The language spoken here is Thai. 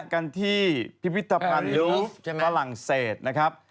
กันที่พิพิธรรมรุฟฝรั่งเศสนะครับ